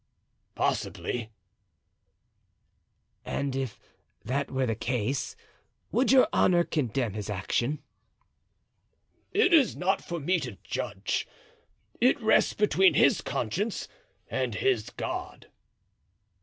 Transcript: "Possibly." "And if that were the case would your honor condemn his action?" "It is not for me to judge. It rests between his conscience and his God."